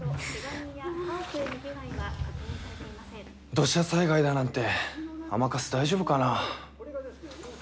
土砂災害だなんて甘春大丈夫かな。